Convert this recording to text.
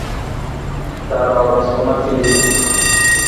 দাঁড়াও, রাজকুমার ফিলিপ।